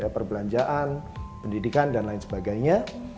perbelanjaan pendidikan dan lain sebagainya